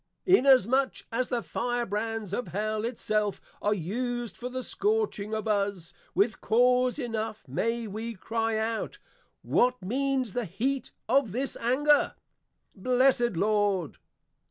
_ Inasmuch as the Fire brands of Hell it self are used for the scorching of us, with cause enough may we cry out, What means the heat of this anger? Blessed Lord!